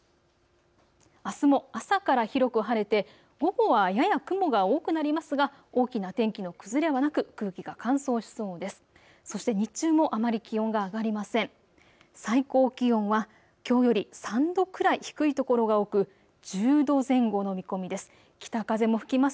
あすも朝から広く晴れて午後はやや雲が多くなりますが大きな天気の崩れはなく空気が乾燥しそうです。